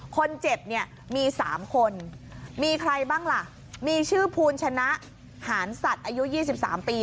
คนเจ็บเนี่ยมี๓คนมีใครบ้างล่ะมีชื่อภูลชนะหารสัตว์อายุ๒๓ปี